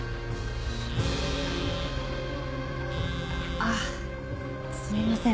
あっすみません